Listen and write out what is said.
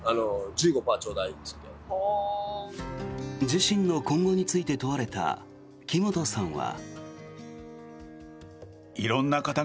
自身の今後について問われた木本さんは。